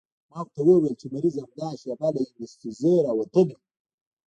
ما ورته وويل چې مريض همدا شېبه له انستيزۍ راوتلى.